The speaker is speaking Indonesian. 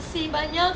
saya yang belum tahu